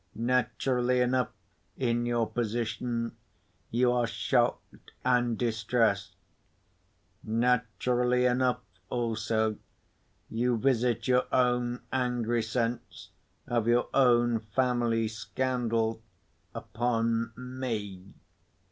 Naturally enough, in your position, you are shocked and distressed. Naturally enough, also, you visit your own angry sense of your own family scandal upon Me."